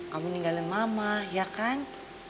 kamu ninggalin mama ya kan